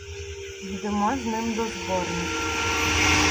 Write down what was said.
Йдемо з ним до зборні.